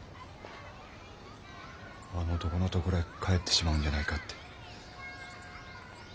あの男のところへ帰ってしまうんじゃないかって。